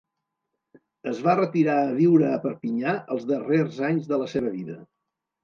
Es va retirar a viure a Perpinyà els darrers anys de la seva vida.